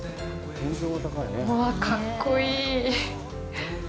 わあ、かっこいい。